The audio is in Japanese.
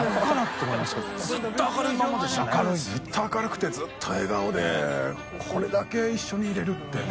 ずっと明るくてずっと笑顔で海譴世碓貊錣いれるってね。